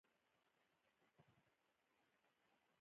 انار د افغانستان د کلتوري میراث یوه ډېره مهمه برخه ده.